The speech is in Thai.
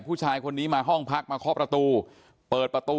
ผู้ชายคนนี้มาห้องพักมาคอประตู